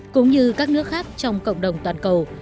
cũng như các nước khác trong cộng đồng toàn cầu